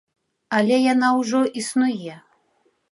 Але яна ўжо існуе.